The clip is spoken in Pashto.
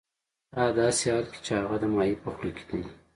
ه داسې حال کې چې هغه د ماهي په خوله کې دی